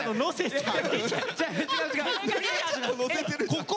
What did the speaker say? ここ？